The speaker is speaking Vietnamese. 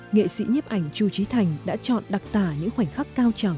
nghệ sĩ nhếp ảnh chu trí thành đã chọn đặc tả những khoảnh khắc cao trầm